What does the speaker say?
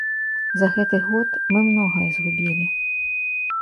За гэты год мы многае згубілі.